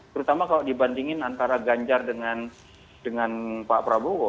terutama kalau dibandingin antara ganjar dengan pak prabowo